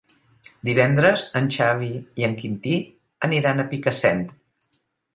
Divendres en Xavi i en Quintí aniran a Picassent.